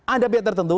ada pihak tertentu